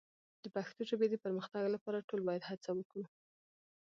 د پښتو ژبې د پرمختګ لپاره ټول باید هڅه وکړو.